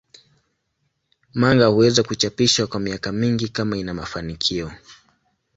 Manga huweza kuchapishwa kwa miaka mingi kama ina mafanikio.